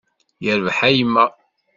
Yerbeḥ a yemma.